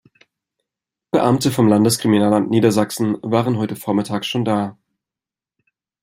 Beamte vom Landeskriminalamt Niedersachsen waren heute Vormittag schon da.